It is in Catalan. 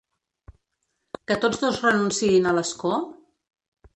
Que tots dos renunciïn a l’escó?